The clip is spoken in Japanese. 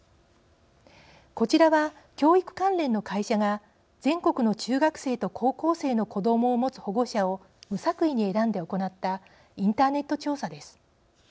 こちらは教育関連の会社が全国の中学生と高校生の子どもを持つ保護者を無作為に選んで行ったインターネット調査です。